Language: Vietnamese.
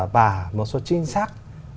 và một số chính xác